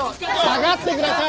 下がってください！